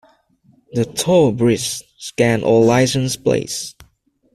The toll bridges scan all license plates.